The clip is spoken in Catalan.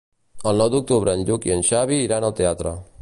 El nou d'octubre en Lluc i en Xavi iran al teatre.